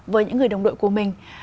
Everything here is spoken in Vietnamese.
với những người đồng đội của mình